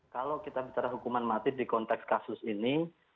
kalau kita bicara hukuman mati di konteks kasus ini